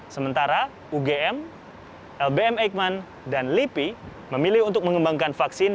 sementara ugm lbm eijkman dan lipi memilih untuk mengembangkan vaksin